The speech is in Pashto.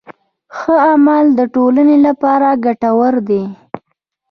ښه عمل د ټولنې لپاره ګټور دی.